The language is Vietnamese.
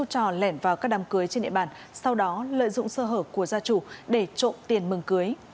trò lẻn vào các đám cưới trên địa bàn sau đó lợi dụng sơ hở của gia chủ để trộm tiền mừng cưới